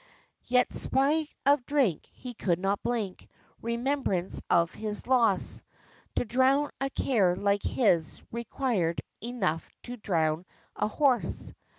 Yet, 'spite of drink, he could not blink Remembrance of his loss; To drown a care like his, required Enough to drown a horse.